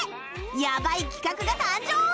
やばい企画が誕生！